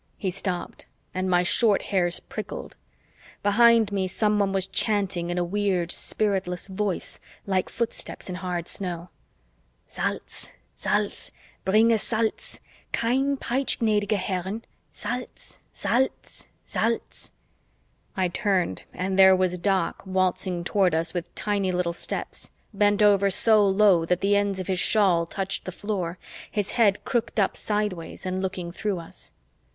He stopped and my short hairs prickled. Behind me, someone was chanting in a weird spiritless voice, like footsteps in hard snow. "Salz, Salz, bringe Salz. Kein' Peitsch', gnädige Herren. Salz, Salz, Salz." I turned and there was Doc waltzing toward us with little tiny steps, bent over so low that the ends of his shawl touched the floor, his head crooked up sideways and looking through us.